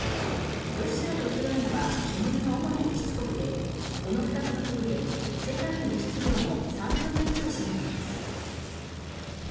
ロシアとウクライナは小麦の主な輸出国でこの２つの国で世界の輸出量の３分の１を占めています。